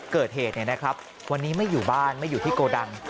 เกิดเหตุวันนี้ไม่อยู่บ้านไม่อยู่ที่โกดัง